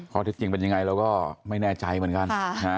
ข้อเท็จจริงเป็นยังไงเราก็ไม่แน่ใจเหมือนกัน